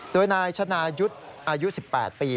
โดยนายชนายุทธ์อายุ๑๘ปี